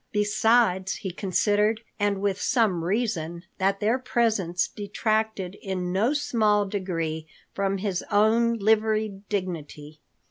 Besides, he considered, and with some reason, that their presence detracted in no small degree from his own liveried dignity.